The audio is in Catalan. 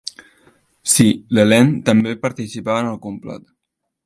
Sí, l'Helene també participava en el complot.